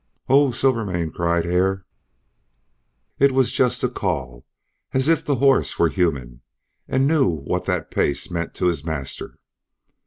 "Oh Silvermane!" cried Hare. It was just a call, as if the horse were human, and knew what that pace meant to his master.